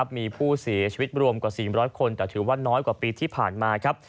มีผู้เสียชีวิตรวมกว่า๔๐๐คนแต่ถือว่าน้อยกว่าปีที่ผ่านมาครับ